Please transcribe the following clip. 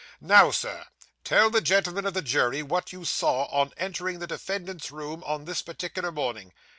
Now, Sir, tell the gentlemen of the jury what you saw on entering the defendant's room, on this particular morning.